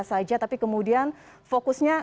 saja tapi kemudian fokusnya